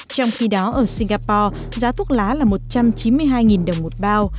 trong khi đó ở singapore giá thuốc lá là một trăm chín mươi hai đồng một bao